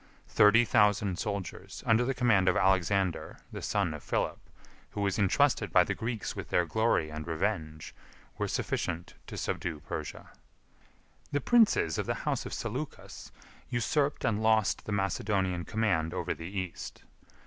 Thirty thousand soldiers, under the command of Alexander, the son of Philip, who was intrusted by the Greeks with their glory and revenge, were sufficient to subdue Persia. The princes of the house of Seleucus usurped and lost the Macedonian command over the East.